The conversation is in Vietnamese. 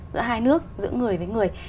giữa hai nước giữa người với người